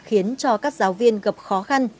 khiến cho các giáo viên gặp khó khăn